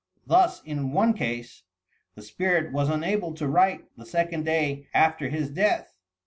Thus, in one case, the spirit was unable to write the second day after his death.